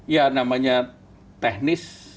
ya namanya teknis